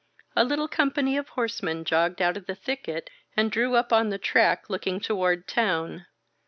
A little company of horsemen jogged out of the thicket and drew up on the track, looking toward town.